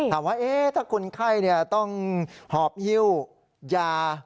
ถามว่าถ้าคนไข้ต้องหอบฮิ้วยา